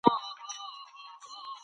د ولادت د ورځو رخصتي غوښتل شوې.